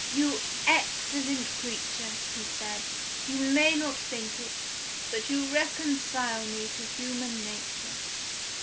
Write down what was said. "You excellent creature!" he said. "You may not think it, but you reconcile me to human nature.